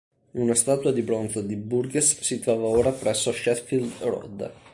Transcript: Una statua di bronzo di Burgess si trova ora presso Sheffield Road.